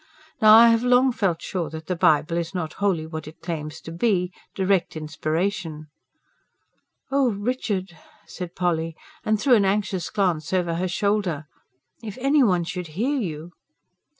Now I have long felt sure that the Bible is not wholly what it claims to be direct inspiration." "Oh, Richard!" said Polly, and threw an anxious glance over her shoulder. "If anyone should hear you!"